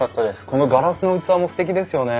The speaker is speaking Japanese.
このガラスの器もすてきですよね。